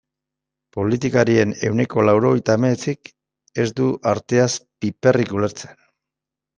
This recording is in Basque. Politikarien ehuneko laurogeita hemeretzik ez du arteaz piperrik ulertzen.